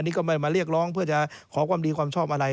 นี่ก็ไม่มาเรียกร้องเพื่อจะขอความดีความชอบอะไร